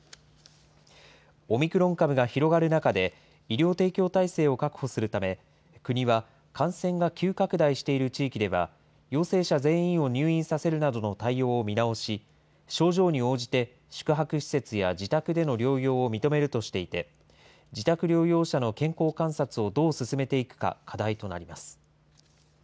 オミクロン株が広がる中で、医療提供体制を確保するため、国は感染が急拡大している地域では、陽性者全員を入院させるなどの対応を見直し、症状に応じて宿泊施設や自宅での療養を認めるとしていて、自宅療養者の健康観察をどう進めていくか、課題となります。